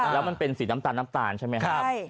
แล้วมันเป็นสีน้ำตาลน้ำตาลใช่ไหมครับ